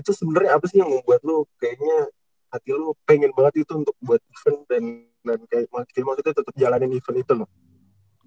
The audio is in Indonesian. itu sebenernya apa sih yang buat lu kayaknya hati lu pengen banget itu untuk buat event dan kayak maksudnya tetep jalanin event itu loh